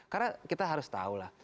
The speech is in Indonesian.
karena kita harus tahulah